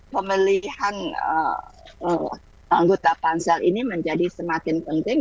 pemilihan anggota pansel ini menjadi semakin penting